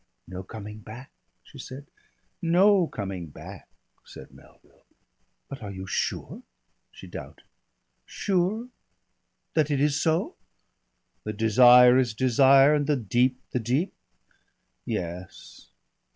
"No coming back?" she said. "No coming back," said Melville. "But are you sure?" she doubted. "Sure?" "That it is so?" "That desire is desire, and the deep the deep yes."